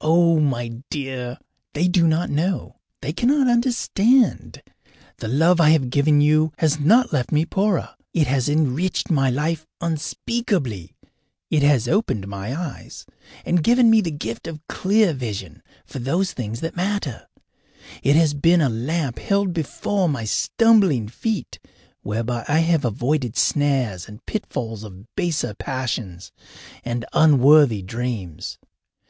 Oh, my dear, they do not know, they cannot understand. The love I have given you has not left me poorer. It has enriched my life unspeakably; it has opened my eyes and given me the gift of clear vision for those things that matter; it has been a lamp held before my stumbling feet whereby I have avoided snares and pitfalls of baser passions and unworthy dreams.